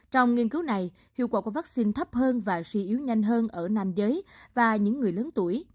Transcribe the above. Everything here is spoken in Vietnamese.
trong nghiên cứu này hiệu quả của vaccine thấp hơn và suy yếu nhanh hơn ở nam giới và những người lớn tuổi